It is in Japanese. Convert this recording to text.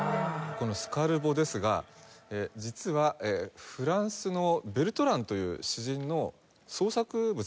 このスカルボですが実はフランスのベルトランという詩人の創作物なんですよね。